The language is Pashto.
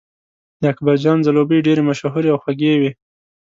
د اکبرجان ځلوبۍ ډېرې مشهورې او خوږې وې.